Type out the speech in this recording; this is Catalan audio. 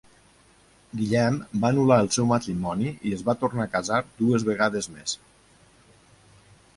Guillem va anul·lar el seu matrimoni, i es tornà a casar dues vegades més.